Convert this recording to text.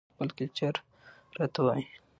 خپل کلچر راته وايى